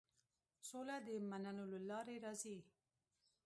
سوله د منلو له لارې راځي.